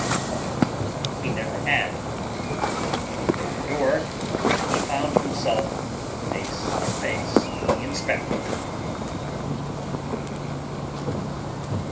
But he never had; when he opened the door, he found himself face to face with the inspector.